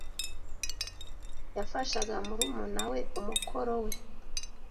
Yafashaga murumuna we umukoro we.